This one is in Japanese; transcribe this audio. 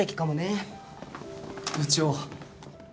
部長。